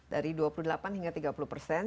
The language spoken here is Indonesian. dari dua puluh delapan hingga tiga puluh persen